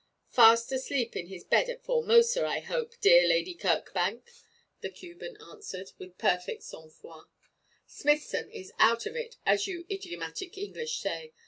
'Fast asleep in his bed at Formosa, I hope, dear Lady Kirkbank,' the Cuban answered, with perfect sang froid. 'Smithson is out of it, as you idiomatic English say.